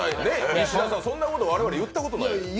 石田さん、そんなこと我々言ったことないですよね。